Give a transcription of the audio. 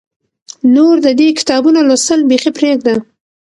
نور د دې کتابونو لوستل بیخي پرېږده.